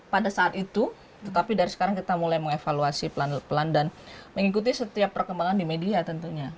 pada saat itu tetapi dari sekarang kita mulai mengevaluasi pelan pelan dan mengikuti setiap perkembangan di media tentunya